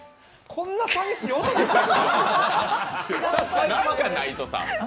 こんな寂しい音ですか？